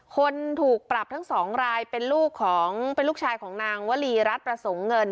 คนถูกปรับทั้งสองรายเป็นลูกของเป็นลูกชายของนางวรีรัฐประสงค์เงิน